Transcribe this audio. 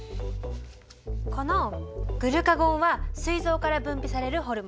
このグルカゴンはすい臓から分泌されるホルモン。